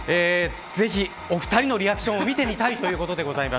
ぜひ、お２人のリアクションを見てみたいということでございます。